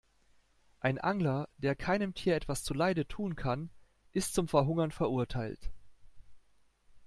Ein Angler, der keinem Tier etwas zuleide tun kann, ist zum Verhungern verurteilt.